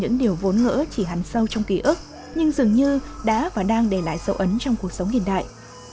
những điều vốn ngỡ chỉ hắn sâu trong kỷ ức nhưng dường như đã và đang để lại sâu ấn trong cuộc sống hiện đại